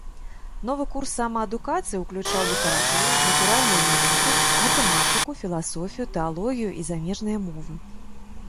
Новы курс самаадукацыі уключаў літаратуру, натуральныя навукі, матэматыку, філасофію, тэалогію і замежныя мовы.